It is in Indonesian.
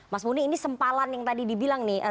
mas muni ini sempalan yang tadi dibilang nih